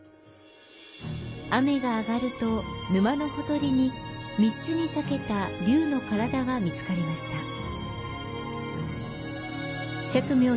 雨が上がると、沼のほとりに３つに裂けた龍の体が見つかりました。